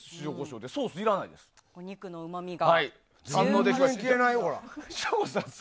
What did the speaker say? お肉のうまみが。